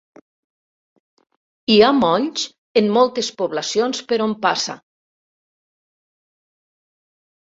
Hi ha molls en moltes poblacions per on passa.